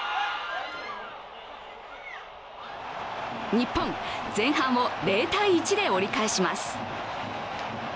日本、前半を０−１で折り返します。